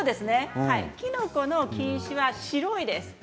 キノコの菌糸は白いです。